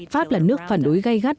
pháp là nước phản đối gây gắt